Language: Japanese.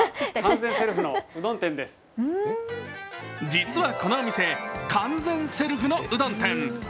実はこのお店、完全セルフのうどん店。